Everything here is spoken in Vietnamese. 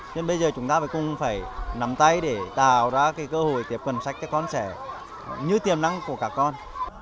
nhưng bây giờ chúng ta cũng phải nắm tay để tạo ra cơ hội tiếp cận sách cho con trẻ như tiêm nắng của các con